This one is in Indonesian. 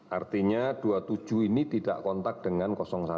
artinya dua puluh tujuh ini tidak kontak dengan satu